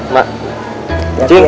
mak cium jalan ya